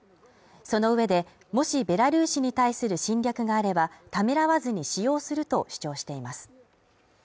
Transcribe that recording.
その上で、もしベラルーシに対する侵略があれば、ためらわずに使用すると主張しています。